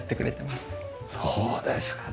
そうですか。